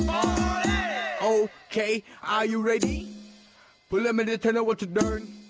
เออเขาฮิตกันไม่ใช่เหรอเนี่ย